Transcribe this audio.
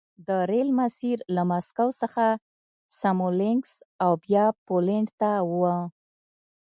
د ریل مسیر له مسکو څخه سمولینکس او بیا پولنډ ته و